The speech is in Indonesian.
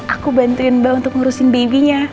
aku bantuin mbak untuk ngurusin babynya